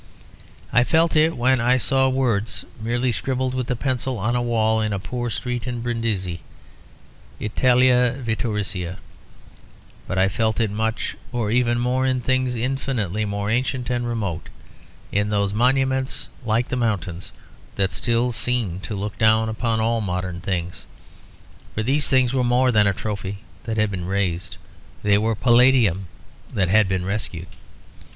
I felt it when I saw words merely scribbled with a pencil on a wall in a poor street in Brindisi; Italia vittoriosa. But I felt it as much or even more in things infinitely more ancient and remote; in those monuments like mountains that still seem to look down upon all modern things. For these things were more than a trophy that had been raised, they were a palladium that had been rescued.